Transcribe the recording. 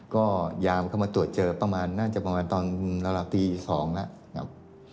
ก็ยามเข้ามาตรวจเจอประมาณน่าจะประมาณตอนระดับตี๒แล้วครับ